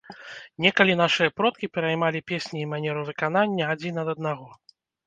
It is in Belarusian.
Некалі нашыя продкі пераймалі песні і манеру выканання адзін ад аднаго.